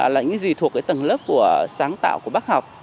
là những gì thuộc tầng lớp sáng tạo của bác học